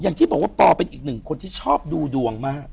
อย่างที่บอกว่าปอเป็นอีกหนึ่งคนที่ชอบดูดวงมาก